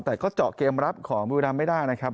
แต่ก็เจาะเกมรับของบุรีรำไม่ได้นะครับ